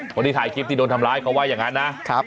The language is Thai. คนที่ถ่ายคลิปที่โดนทำร้ายเขาว่าอย่างนั้นนะ